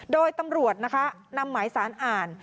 โดยตำรวจนะคะนำหมายสารอ่าน